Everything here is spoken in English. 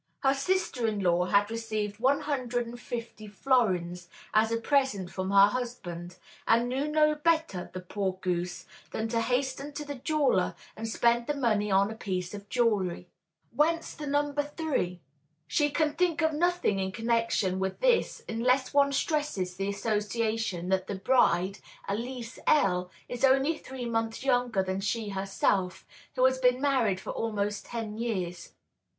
Her sister in law had received 150 florins as a present from her husband, and knew no better, the poor goose, than to hasten to the jeweler and spend the money on a piece of jewelry. Whence the number 3? She can think of nothing in connection with this unless one stresses the association that the bride, Elise L., is only three months younger than she herself, who has been married for almost ten years.